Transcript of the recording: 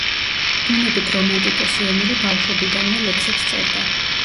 ბუნებით რომანტიკოსი ემილი ბავშვობიდანვე ლექსებს წერდა.